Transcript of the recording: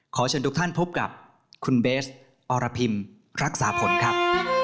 เชิญทุกท่านพบกับคุณเบสอรพิมรักษาผลครับ